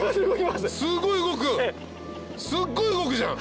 すっごい動くじゃん。